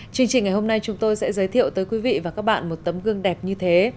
chương trình ngày hôm nay chúng tôi sẽ giới thiệu tới quý vị và các bạn một tấm gương đẹp như thế